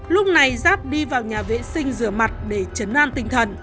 lúc này giáp đi vào nhà vệ sinh rửa mặt để chấn an tinh thần